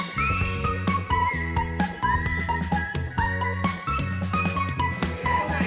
ดูอยู่นิดนิดนิด